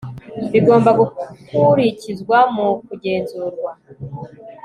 bigomba gukurikizwa mu kugenzurwa